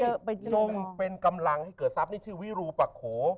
จงเป็นกำลังให้เกิดทรัพย์นี่ชื่อวิรูปะโข